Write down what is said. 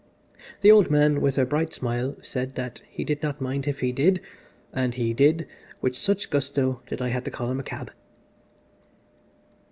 The old gentleman, with a bright smile, said that "he did not mind if he did," and he "did" with such gusto that I had to call a cab.